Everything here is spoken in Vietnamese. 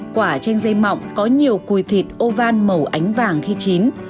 quả chanh dây mọng có nhiều cùi thịt ovan màu ánh vàng khi chín